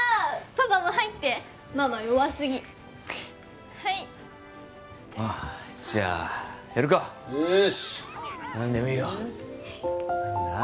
パパも入ってママ弱すぎはいああじゃあやるかよし何でもいいよ何だ？